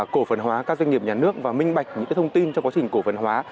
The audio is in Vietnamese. cổ phần hóa các doanh nghiệp nhà nước và minh bạch những thông tin trong quá trình cổ phần hóa